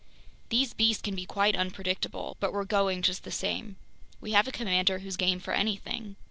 These beasts can be quite unpredictable! But we're going just the same! We have a commander who's game for anything!"